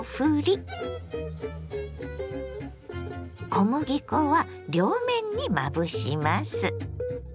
小麦粉は両面にまぶします。